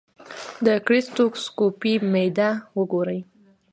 د ګیسټروسکوپي معده ګوري.